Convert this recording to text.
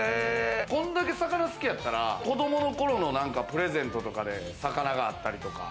こんだけ魚好きやったら子供の頃のプレゼントとかで魚があったりとか？